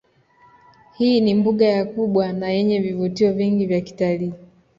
Hii ni mbuga ya kubwa nayenye vivutio vingi vya kitalii